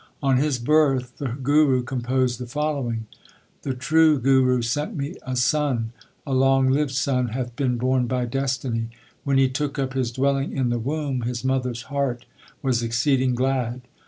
On his birth the Guru composed the following : The True Guru sent me a son ; A long lived son hath been born by destiny. When he took up his dwelling in the womb, His mother s heart was exceeding glad.